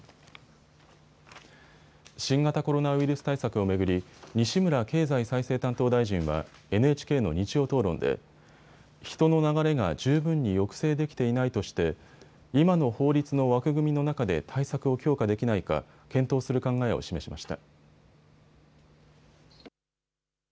新型コロナウイルス対策を巡り西村経済再生担当大臣はＮＨＫの日曜討論で人の流れが十分に抑制できていないとして今の法律の枠組みの中で対策を強化できないか、検討する考えを示しました。